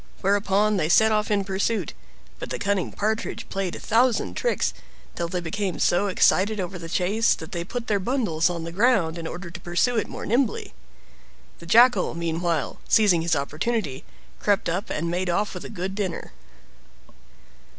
Whereupon they set off in pursuit, but the cunning Partridge played a thousand tricks, till they became so excited over the chase that they put their bundles on the ground in order to pursue it more nimbly. The Jackal, meanwhile, seizing his opportunity, crept up, and made off with a good dinner.